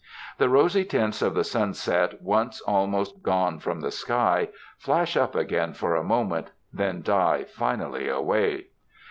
The rosy tints of the sunset once almost gone from the sky, flash up again for a moment, then die finally away.